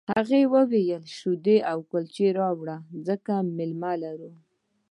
هغه وویل شیدې او کلچې راوړه ځکه مېلمه لرم